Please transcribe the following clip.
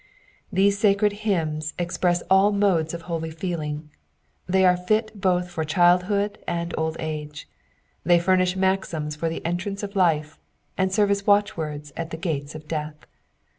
These sacred hymns express all modes of holy feeling ; they are fit both for childhood and old age : they furnish maxims for the entrance of life, and serve as watchwords at the gates of death.